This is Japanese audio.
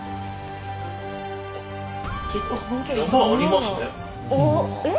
山ありますね。